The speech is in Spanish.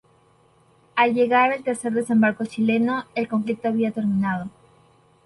Al llegar el tercer desembarco chileno, el conflicto había terminado.